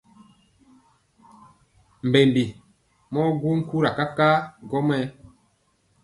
Mbembi mɔɔ gwo nkura kakaa gɔmayɛ.